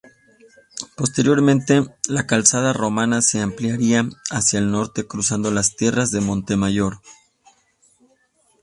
Posteriormente la calzada romana se ampliaría hacia el norte cruzando las tierras de Montemayor.